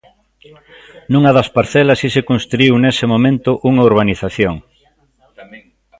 Nunha das parcelas si se construíu nese momento unha urbanización.